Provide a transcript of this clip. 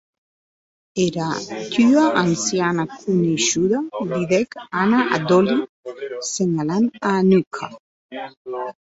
Era tua anciana coneishuda, didec Anna a Dolly, senhalant a Anuchka.